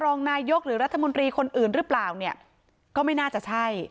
รองนายกหรือรัฐมนตรีคนอื่นหรือเปล่าเนี่ยก็ไม่น่าจะใช่